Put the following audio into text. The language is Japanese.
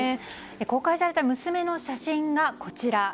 公開された娘の写真がこちら。